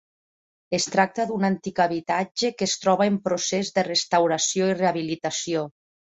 Es tracta d'un antic habitatge que es troba en procés de restauració i rehabilitació.